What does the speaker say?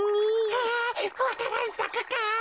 あわか蘭さくか？